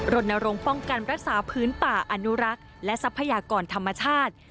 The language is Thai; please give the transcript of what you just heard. รณรงค์ป้องกันรักษาพื้นป่าอนุรักษ์และทรัพยากรธรรมชาติ